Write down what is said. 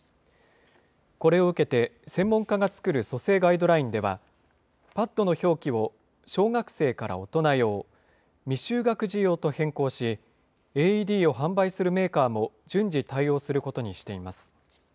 これを受けて、専門家が作る蘇生ガイドラインでは、パッドの表記を小学生大人用、未就学児用と変更し、ＡＥＤを販売するメーカーも順次対応することにしています。